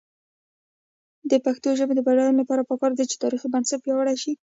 د پښتو ژبې د بډاینې لپاره پکار ده چې تاریخي بنسټ پیاوړی شي.